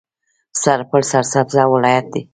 سرپل سرسبزه ولایت دی.